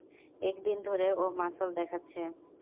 এক দিন ধরে ও মাসল দেখাচ্ছে।